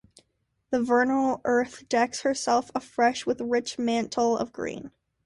The vernal earth decks herself afresh with a rich mantle of green.